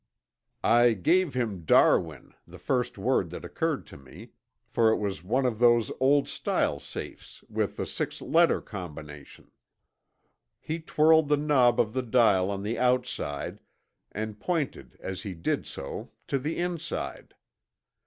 "I gave him 'Darwin,' the first word that occurred to me, for it was one of those old style safes with the six letter combination. He twirled the knob of the dial on the outside and pointed as he did so to the inside.